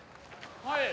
はい。